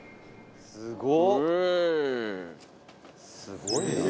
すごいな。